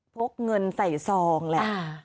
กเงินใส่ซองแหละ